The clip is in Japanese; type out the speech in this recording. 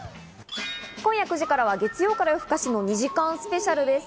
今夜９時からは『月曜から夜ふかし』２時間スペシャルです。